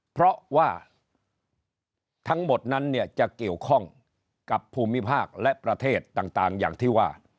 เพราะว่าทั้งหมดนั้นเนี่ยจะเกี่ยวข้องกับภูมิภาคและประเทศต่างอย่างที่ว่า